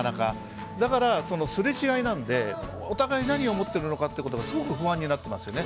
だからすれ違いなのでお互い何を思っているのかというのが不安になっていますよね。